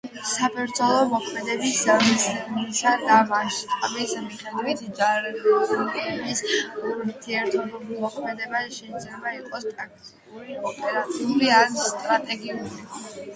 საბრძოლო მოქმედების მიზნისა და მასშტაბის მიხედვით ჯარების ურთიერთმოქმედება შეიძლება იყოს ტაქტიკური, ოპერატიული ან სტრატეგიული.